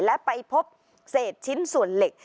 และไปพบเศษชิ้นส่วนเหล็ก